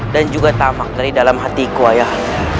dan juga tamak dari dalam hatiku ayah